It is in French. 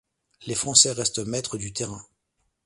Les Français restent maîtres du terrain.